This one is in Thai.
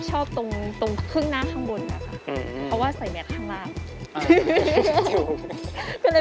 ชอบตรงครึ่งหน้าข้างบนก่อนค่ะ